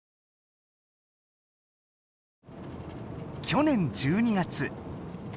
去年１２月。